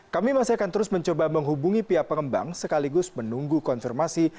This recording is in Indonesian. kami masih akan terus mencoba menghubungi pihak pengembang sekaligus menunggu konfirmasi